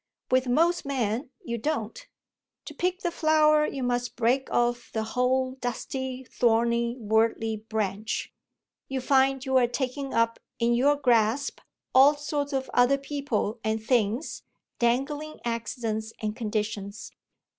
With most men you don't: to pick the flower you must break off the whole dusty, thorny, worldly branch; you find you're taking up in your grasp all sorts of other people and things, dangling accidents and conditions.